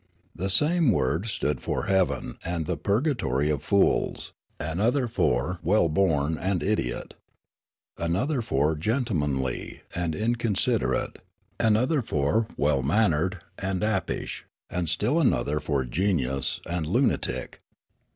The same word stood for "heaven" and " the purgatory of fools," another for " well born" and " idiot," another for " gentlemanly " and "inconsiderate," another for "well mannered" and " apish," and still another for " genius" and " luna tic."